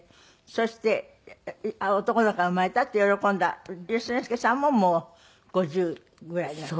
そして男の子が生まれたって喜んだ善之介さんももう５０ぐらいになった？